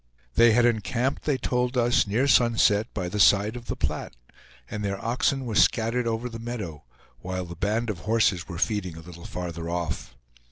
They had encamped, they told us, near sunset, by the side of the Platte, and their oxen were scattered over the meadow, while the band of horses were feeding a little farther off.